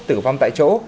tử vong tại chỗ